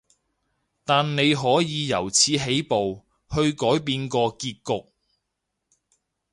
但你可以由此起步，去改變個結局